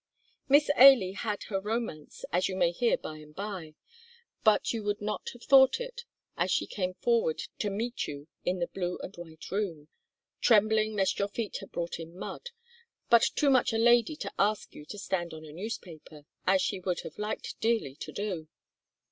Miss Ailie had her romance, as you may hear by and by, but you would not have thought it as she came forward to meet you in the blue and white room, trembling lest your feet had brought in mud, but too much a lady to ask you to stand on a newspaper, as she would have liked dearly to do.